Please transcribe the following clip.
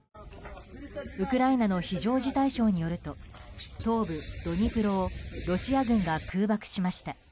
ウクライナの非常事態省によると東部ドニプロをロシア軍が空爆しました。